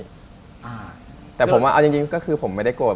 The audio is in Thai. อ่าแต่ผมอ่ะเอาจริงจริงก็คือผมไม่ได้โกรธ